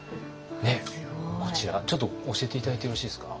ねっこちらちょっと教えて頂いてよろしいですか？